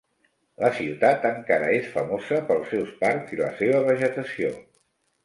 La ciutat encara és famosa pels seus parcs i la seva vegetació.